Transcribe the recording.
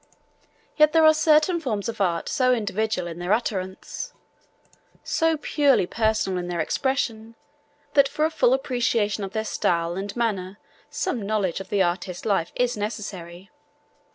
Yet there are certain forms of art so individual in their utterance, so purely personal in their expression, that for a full appreciation of their style and manner some knowledge of the artist's life is necessary.